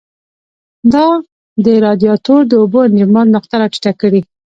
دا د رادیاتور د اوبو انجماد نقطه را ټیټه کړي.